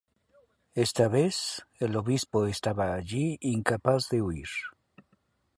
Esta vez, el Obispo estaba allí incapaz de huir.